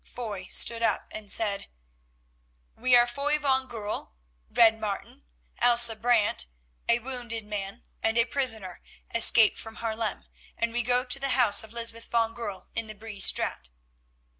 Foy stood up and said: "We are Foy van Goorl, Red Martin, Elsa Brant, a wounded man and a prisoner, escaped from Haarlem, and we go to the house of Lysbeth van Goorl in the Bree Straat."